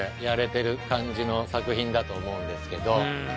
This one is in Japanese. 感じの作品だと思うんですけど。